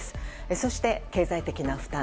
そして経済的な負担。